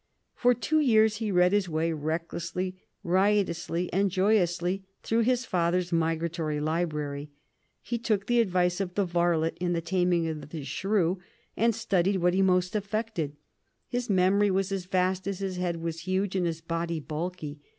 For two years he read his way recklessly, riotously, and joyously through his father's migratory library. He took the advice of the varlet in "The Taming of the Shrew," and studied what he most affected. His memory was as vast as his head was huge and his body bulky.